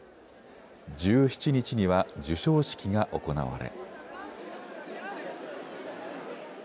１７日には授賞式が行われ。